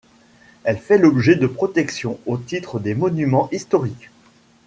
Elle fait l'objet de protections au titre des monuments historiques.